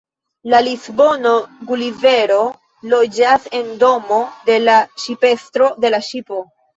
En Lisbono Gulivero loĝas en domo de la ŝipestro de la ŝipo.